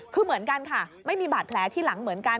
คือเหมือนกันค่ะไม่มีบาดแผลที่หลังเหมือนกัน